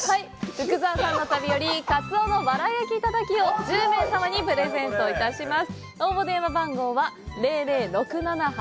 福澤さんの旅より「カツオ藁焼きタタキ」を１０名様にプレゼントします。